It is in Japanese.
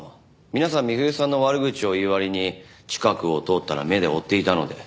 皆さん美冬さんの悪口を言う割に近くを通ったら目で追っていたので。